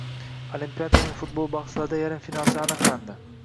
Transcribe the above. Olimpiadaning futbol bahslarida yarim finalchilar aniqlandi